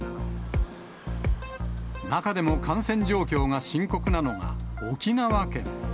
中でも感染状況が深刻なのが、沖縄県。